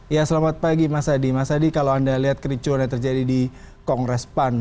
ya selamat pagi mas adi mas adi kalau anda lihat kericuan yang terjadi di kongres pan